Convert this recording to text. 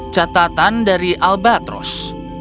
catatan dari albatros